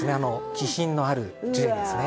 気品のあるジュエリーですね。